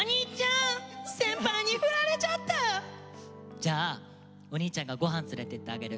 じゃあおにいちゃんが御飯連れてってあげる。